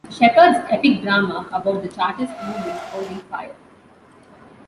Shepherd's epic drama about the Chartist movement, Holding Fire!